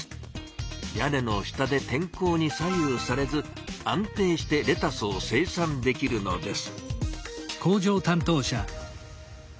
屋根の下で天候に左右されず安定してレタスを生産できるのです。